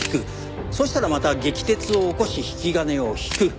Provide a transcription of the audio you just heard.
そうしたらまた撃鉄を起こし引き金を引く。